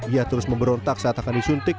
ia terus memberontak saat akan disuntik